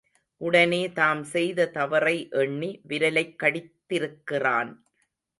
உடனே தாம் செய்த தவறை எண்ணி விரலைக் கடித்திருக்கிறான்.